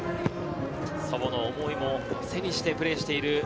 祖母の思いも背にしてプレーしている。